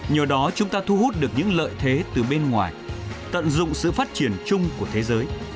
nhờ đó chúng ta thu hút được những lợi thế từ bên ngoài tận dụng sự phát triển chung của thế giới